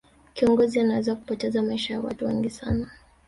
kiongozi anaweza kupoteza maisha ya watu wengi sana